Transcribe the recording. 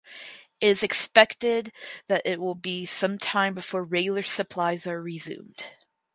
It is expected that it will be some time before regular supplies are resumed.